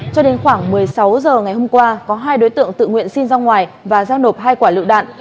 cho đến khoảng một mươi sáu h ngày hôm qua có hai đối tượng tự nguyện xin ra ngoài và giao nộp hai quả lựu đạn